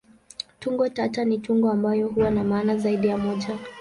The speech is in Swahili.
Tungo tata ni tungo ambayo huwa na maana zaidi ya moja.